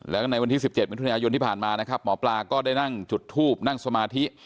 แล้วก็ในวันที่๑๗มิถุนายนที่ผ่านมานะครับหมอปลาก็ได้นั่งจุดทูบนั่งสมาธิ